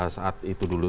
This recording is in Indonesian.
saat itu dulu